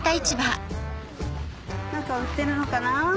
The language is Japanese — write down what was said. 何か売ってるのかな？